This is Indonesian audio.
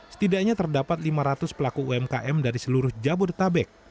setidaknya terdapat lima ratus pelaku umkm dari seluruh jabodetabek